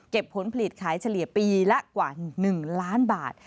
ผลผลิตขายเฉลี่ยปีละกว่า๑ล้านบาท